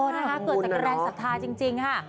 น่าเกิดแต่กระแรงศรัทธาจริงค่ะ